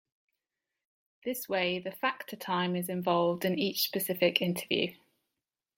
This way the factor time is involved in each specific interview.